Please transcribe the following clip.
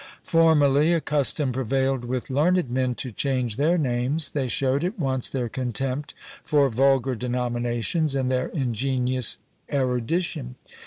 Formerly a custom prevailed with learned men to change their names. They showed at once their contempt for vulgar denominations and their ingenious erudition.